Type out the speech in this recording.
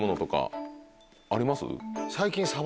最近。